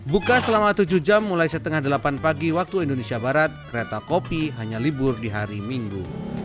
buka selama tujuh jam mulai setengah delapan pagi waktu indonesia barat kereta kopi hanya libur di hari minggu